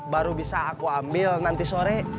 baru bisa aku ambil nanti sore